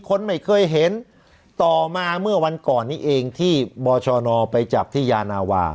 คนไม่เคยเห็นต่อมาเมื่อวันก่อนนี้เองที่บชนไปจับที่ยานาวา